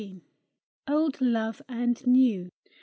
OLD LOVE AND NEW.